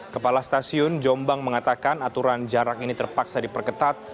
kepala stasiun jombang mengatakan aturan jarak ini terpaksa diperketat